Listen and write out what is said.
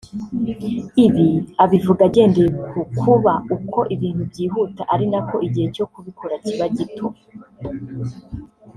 Ibi abivuga agendeye ku kuba uko ibintu byihuta ari nako igihe cyo kubikora kiba gito